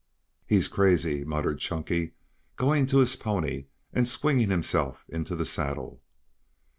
"He's crazy," muttered Chunky, going to his pony and swinging himself into the saddle.